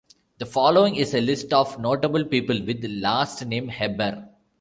The following is a list of notable people with last name Hebbar.